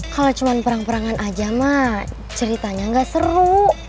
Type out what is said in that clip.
kalau cuma perang perangan aja mak ceritanya gak seru